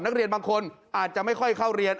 นักเรียนบางคนอาจจะไม่ค่อยเข้าเรียน